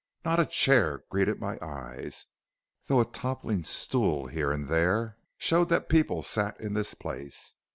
Not a chair greeted my eyes, though a toppling stool here and there showed that people sat in this place.